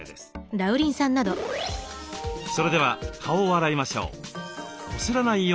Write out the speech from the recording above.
それでは顔を洗いましょう。